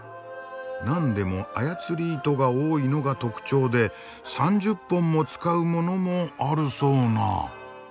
何でも操り糸が多いのが特徴で３０本も使うものもあるそうな。